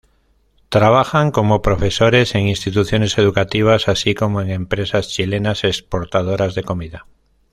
Trabajan como profesores en instituciones educativas, así como en empresas chilenas exportadoras de comida.